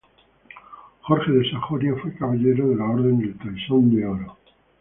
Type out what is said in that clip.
Jorge de Sajonia fue caballero de la Orden del Toisón de Oro.